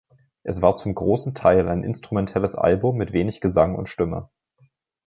Es war zum großen Teil ein instrumentelles Album mit wenig Gesang und Stimme.